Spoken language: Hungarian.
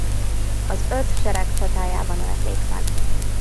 Az Öt Sereg Csatájában ölték meg.